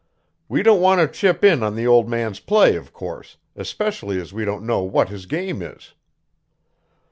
We don't want to chip in on the old man's play, of course, especially as we don't know what his game is."